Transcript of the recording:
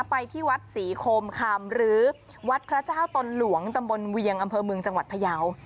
ไปที่วัดศรีโคมคำหรือวัดพระเจ้าตนหลวงตำบลเวียงอำเภอเมืองจังหวัดพยาว